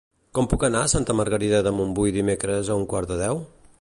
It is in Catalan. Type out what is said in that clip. Com puc anar a Santa Margarida de Montbui dimecres a un quart de deu?